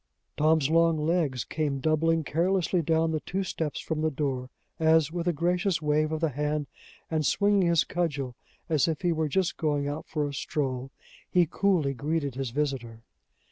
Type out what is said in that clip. Tom's long legs came doubling carelessly down the two steps from the door, as, with a gracious wave of the hand, and swinging his cudgel as if he were just going out for a stroll, he coolly greeted his visitor.